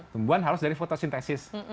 tumbuhan harus dari fotosintesis